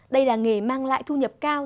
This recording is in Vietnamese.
đây là nghề mang lại thu nhập cao